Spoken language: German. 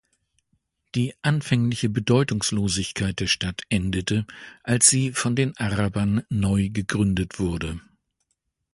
Die anfängliche Bedeutungslosigkeit der Stadt endete, als sie als von den Arabern neugegründet wurde.